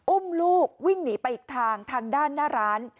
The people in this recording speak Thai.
อุ้มลูกวิ่งหนีไปอีกทางทางด้านหน้าร้าน